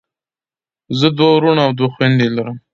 زه دوه وروڼه او دوه خویندی لرم.